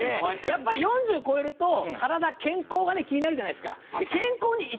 やっぱり４０超えると体健康が気になるじゃないですか。